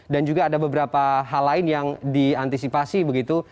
dan juga ada beberapa hal lain yang diantisipasi begitu